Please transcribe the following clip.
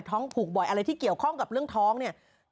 ผูกบ่อยอะไรที่เกี่ยวข้องกับเรื่องท้องเนี่ย